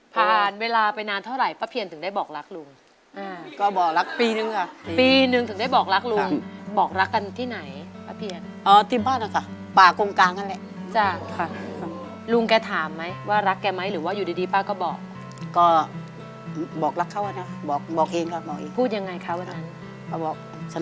ไปวิ่งเอาเรือนี้ไปที่เกาะเวียงโน้นค่ะ